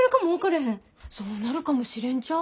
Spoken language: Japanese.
そうなるかもしれんちゃあ。